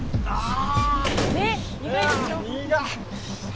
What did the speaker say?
ああ。